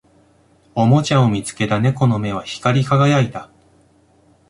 おもちゃを見つけた猫の目は光り輝いた